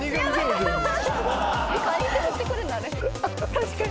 確かに。